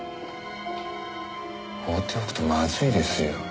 放っておくとまずいですよ。